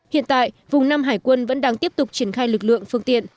hiện tại vùng năm hải quân vẫn đang tiếp tục triển khai lực lượng phương tiện